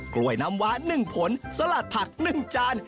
กล้วยน้ำว้า๑ผลสลัดผัก๑จาน